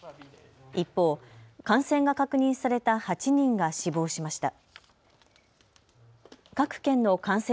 一方、感染が確認された８人が死亡しました。